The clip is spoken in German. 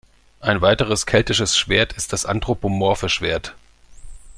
Ein weiteres keltisches Schwert ist das anthropomorphe Schwert.